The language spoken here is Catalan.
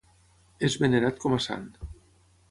És venerat com a sant.